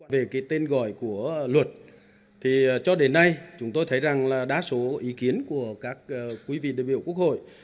về cái tên gọi của luật thì cho đến nay chúng tôi thấy rằng là đa số ý kiến của các quý vị đại biểu quốc hội